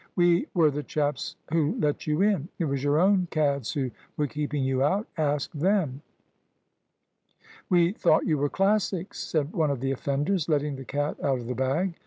"We were the chaps who let you in! It was your own cads who were keeping you out. Ask them." "We thought you were Classics," said one of the offenders, letting the cat out of the bag.